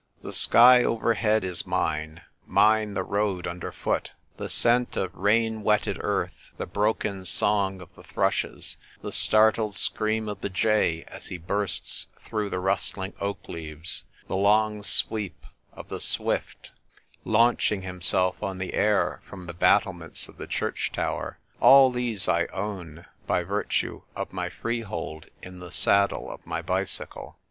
The sky overhead is mine, mine the road under foot ; the scent of rain wetted earth ; the broken song of the thrushes, the startled scream of the jay as he bursts through the rustling oak leaves, the long sweep of the swift launching himself on AN AUTUMN HOLIDAY. 1 95 the air from the battlements of the church tower. All these I own, by virtue of my freehold in the saddle of my bicycle.